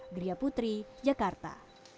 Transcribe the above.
gria putri jakarta